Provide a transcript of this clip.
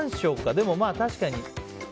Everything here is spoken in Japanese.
でも確かに。